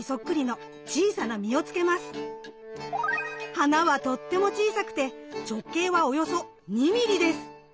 花はとっても小さくて直径はおよそ２ミリです。